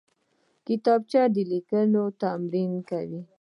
کتابچه د لیکلو تمرین کوي